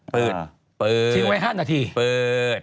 เปิดทิ้งไว้๕นาทีเปิด